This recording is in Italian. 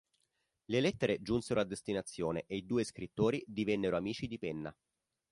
Le lettere giunsero a destinazione e i due scrittori divennero amici di "penna".